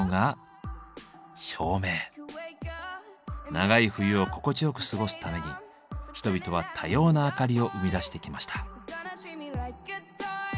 長い冬を心地よく過ごすために人々は多様な明かりを生み出してきました。